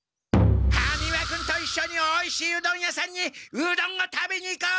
羽丹羽君といっしょにおいしいうどん屋さんにうどんを食べに行こう！